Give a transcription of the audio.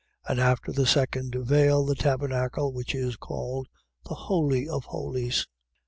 9:3. And after the second veil, the tabernacle which is called the Holy of Holies: 9:4.